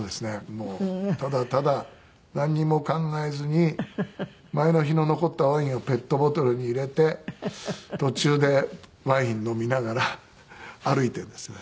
もうただただなんにも考えずに前の日の残ったワインをペットボトルに入れて途中でワイン飲みながら歩いているんですが。